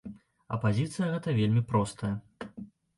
А пазіцыя гэта вельмі простая.